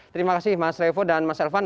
terima kasih mas revo dan mas elvan